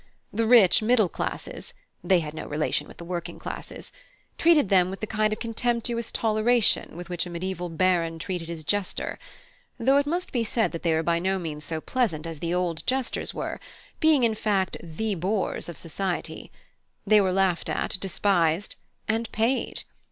The rich middle classes (they had no relation with the working classes) treated them with the kind of contemptuous toleration with which a mediaeval baron treated his jester; though it must be said that they were by no means so pleasant as the old jesters were, being, in fact, the bores of society. They were laughed at, despised and paid.